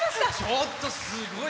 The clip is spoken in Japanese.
ちょっと、すごい！